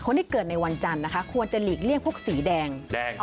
คนที่เกิดในวันจันทร์นะคะควรจะหลีกเลี่ยงพวกสีแดง